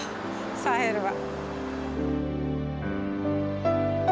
サヘルは。